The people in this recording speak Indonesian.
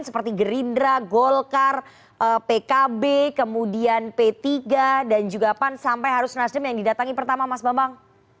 seperti gerindra golkar pkb kemudian p tiga dan juga pan sampai harus nasdem yang didatangi pertama mas bambang